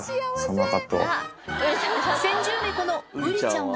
先住猫のウリちゃんは。